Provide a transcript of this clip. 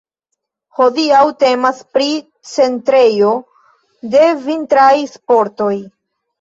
Hodiaŭ temas pri centrejo de vintraj sportoj.